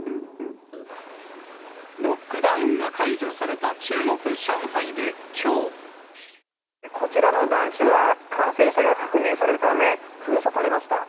ロックダウンが解除された中こちらの団地は、感染者が確認されたため、封鎖されました。